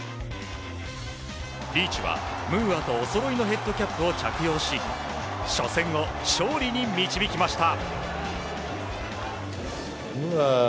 リーチはムーアとおそろいのヘッドキャップを着用し初戦を勝利に導きました。